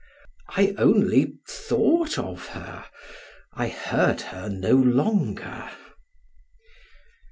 I only thought of her; I heard her no longer.